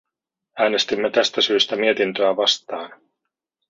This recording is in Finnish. Äänestimme tästä syystä mietintöä vastaan.